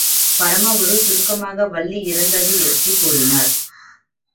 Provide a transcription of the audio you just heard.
பரமகுரு சுருக்கமாக வள்ளி இறந்தது பற்றி கூறினார்.